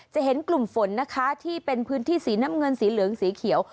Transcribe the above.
เห็นกลุ่มฝนนะคะที่เป็นพื้นที่สีน้ำเงินสีเหลืองสีเขียว